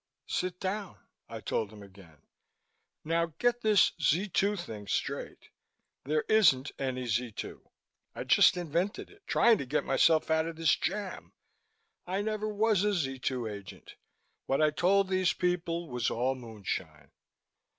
"Sit down!" I told him again. "Now get this Z 2 thing straight. There isn't any Z 2. I just invented it, trying to get myself out of this jam. I never was a Z 2 agent. What I told these people was all moonshine."